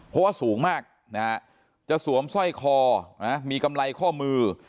เพราะว่าสูงมากนะฮะจะสวมสร้อยคอมีกำไรข้อมือ